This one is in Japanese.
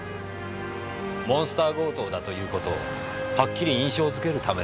モンスター強盗だということをハッキリ印象づけるためですよ。